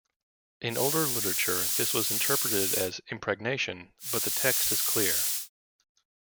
In older literature, this was interpreted as "impregnation", but the text is clear.